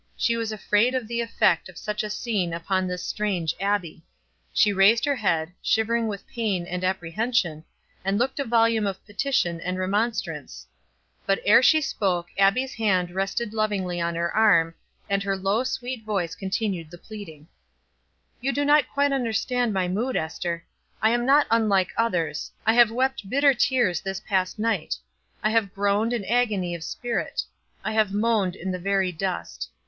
She was afraid of the effect of such a scene upon this strange Abbie. She raised her head, shivering with pain and apprehension, and looked a volume of petition and remonstrance; but ere she spoke Abbie's hand rested lovingly on her arm, and her low sweet voice continued the pleading: "You do not quite understand my mood, Ester. I am not unlike others; I have wept bitter tears this past night; I have groaned in agony of spirit; I have moaned in the very dust.